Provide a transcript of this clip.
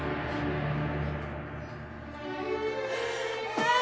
ああ。